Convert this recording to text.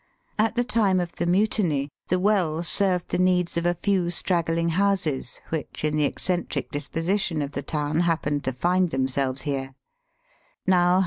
At the time of the Mutiny the well served the needs of a few straggling houses which in the eccentric disposition of the town happened to find themselves here.